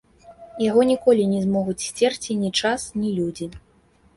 Яго ніколі не змогуць сцерці ні час, ні людзі.